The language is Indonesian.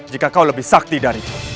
jika kau lebih sakti dariku